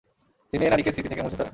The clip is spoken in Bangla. তিনি এই নারীকে স্মৃতি থেকে মুছে ফেলেন।